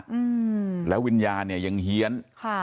อืมแล้ววิญญาณเนี้ยยังเฮียนค่ะ